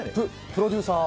プロデューサー。